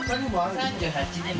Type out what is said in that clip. ３８年前。